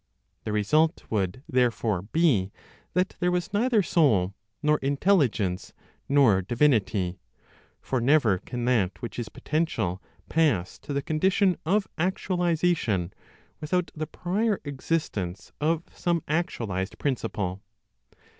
The result would, therefore, be that there was neither soul, nor intelligence, nor divinity; for never can that which is potential pass to the condition of actualization, without the prior existence of some actualized principle.